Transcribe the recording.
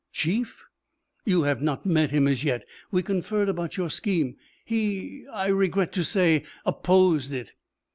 "Chief?" "You have not met him as yet. We conferred about your scheme. He I regret to say opposed it."